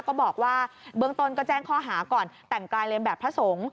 ก็บอกว่าเบื้องต้นก็แจ้งข้อหาก่อนแต่งกายเรียนแบบพระสงฆ์